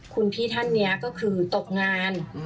คุณพี่ท่านนี้ก็คือตกงาน